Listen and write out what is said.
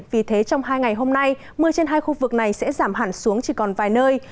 vì thế trong hai ngày hôm nay mưa trên hai khu vực này sẽ giảm hẳn xuống chỉ còn vài nơi